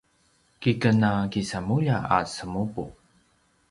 kiken a kisamulja a semupu